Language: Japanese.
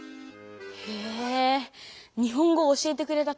へぇ日本語を教えてくれた